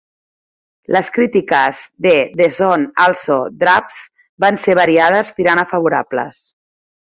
Les crítiques de "The Son Also Draws" van ser variades tirant a favorables.